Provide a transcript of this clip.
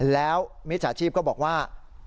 แล้วมิจฉาชีพก็บอกว่า